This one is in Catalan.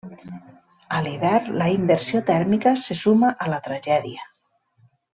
A l'hivern, la inversió tèrmica se suma a la tragèdia.